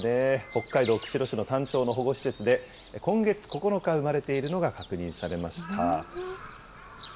北海道釧路市のタンチョウの保護施設で、今月９日、生まれているのが確認されました。